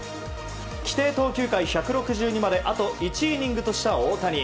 規定投球回１６２まであと１イニングとした大谷。